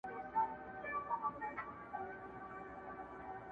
چي محفل د شرابونو به تيار وو!!